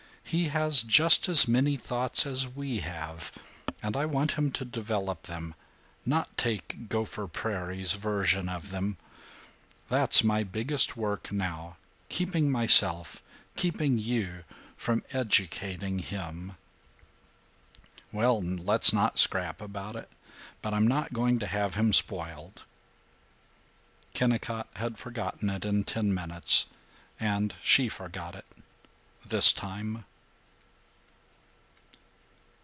He has just as many thoughts as we have, and I want him to develop them, not take Gopher Prairie's version of them. That's my biggest work now keeping myself, keeping you, from 'educating' him." "Well, let's not scrap about it. But I'm not going to have him spoiled." Kennicott had forgotten it in ten minutes; and she forgot it this time.